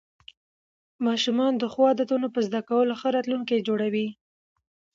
ماشومان د ښو عادتونو په زده کولو ښه راتلونکی جوړوي